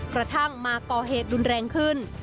กระทั่งมาก่อเหตุรุนแรงขึ้น